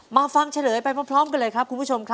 ฟังเฉลยไปพร้อมกันเลยครับคุณผู้ชมครับ